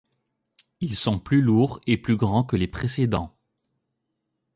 Ils sont plus lourds et plus grands que les précédents.